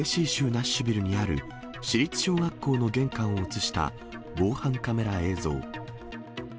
ナッシュビルにある、私立小学校の玄関を写した防犯カメラ映像。